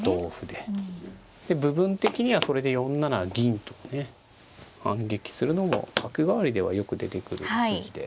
で部分的にはそれで４七銀とね反撃するのも角換わりではよく出てくる筋で。